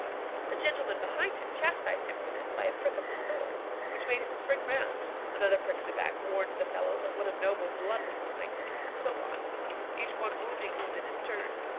The gentleman behind him chastised him for this by a prick of his sword, which made him spring round; another prick in the back warned the fellow that one of noble blood was behind him, and so on, each one wounding him in his turn.